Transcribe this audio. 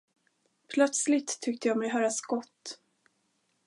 Plötsligt tyckte jag mig höra skott.